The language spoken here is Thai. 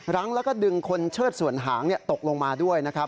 รั้งแล้วก็ดึงคนเชิดส่วนหางตกลงมาด้วยนะครับ